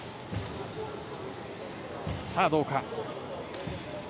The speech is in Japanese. さあ、どうか。